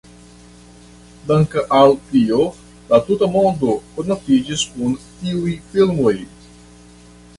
Dank' al tio la tuta mondo konatiĝis kun tiuj filmoj.